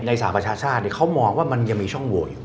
สหประชาชาติเขามองว่ามันยังมีช่องโหวตอยู่